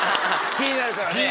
気になるから。